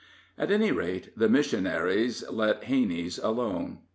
At any rate, the missionaries let Hanney's alone.